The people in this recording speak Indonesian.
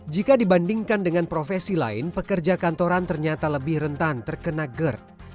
jika dibandingkan dengan profesi lain pekerja kantoran ternyata lebih rentan terkena gerd